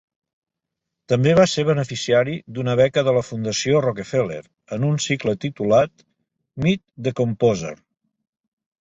També va ser beneficiari d'una beca de la fundació Rockefeller en un cicle titulat "Meet the Composer".